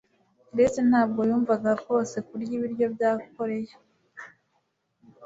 Chris ntabwo yumvaga rwose kurya ibiryo bya koreya